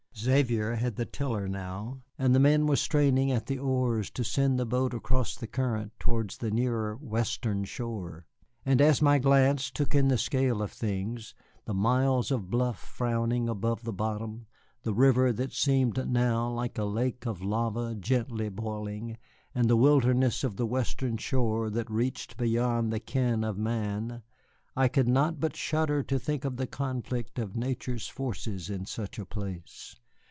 Xavier had the tiller now, and the men were straining at the oars to send the boat across the current towards the nearer western shore. And as my glance took in the scale of things, the miles of bluff frowning above the bottom, the river that seemed now like a lake of lava gently boiling, and the wilderness of the western shore that reached beyond the ken of man, I could not but shudder to think of the conflict of nature's forces in such a place.